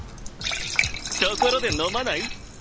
ところで飲まない？